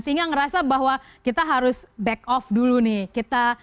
sehingga ngerasa bahwa kita harus back off dulu nih